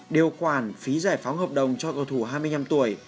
điều khoản phí giải phóng hợp đồng cho cầu thủ hai mươi năm tuổi